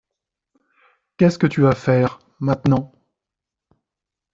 Qu’est-ce que tu vas faire, maintenant?